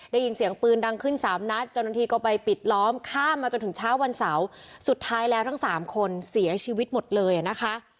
ได้ยินเสียงปืนดังขึ้นสามนัดเจ้าหน้าที่ก็ไปปิดล้อมข้ามมาจนถึงเช้าวันเสาร์สุดท้ายแล้วทั้งสามคนเสียชีวิตหมดเลยอ่ะนะคะ